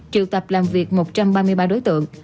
triệu tập làm việc một trăm ba mươi ba đối tượng